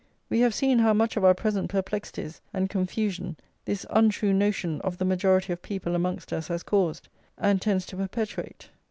We have seen how much of our present perplexities and confusion this untrue notion of the majority of people amongst us has caused, and tends to perpetuate.